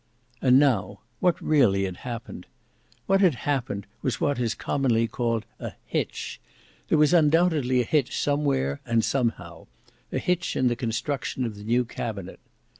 And now what really had happened? What had happened was what is commonly called a "hitch." There was undoubtedly a hitch somewhere and somehow; a hitch in the construction of the new cabinet.